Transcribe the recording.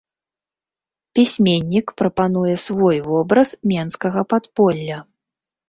Пісьменнік прапануе свой вобраз менскага падполля.